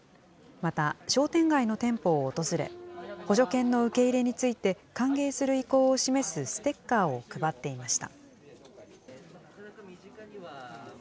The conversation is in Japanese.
また、商店街の店舗を訪れ、補助犬の受け入れについて歓迎する意向を示すステッカーを配っていました。